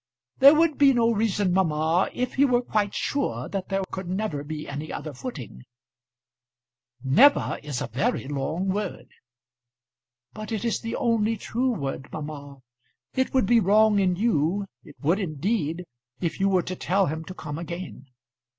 "There would be no reason, mamma, if he were quite sure that there could never be any other footing." "Never is a very long word." [Illustration: "Never is a very long word."] "But it is the only true word, mamma. It would be wrong in you, it would indeed, if you were to tell him to come again.